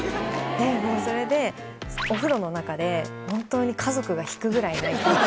それでお風呂の中で本当に家族が引くぐらい泣いた。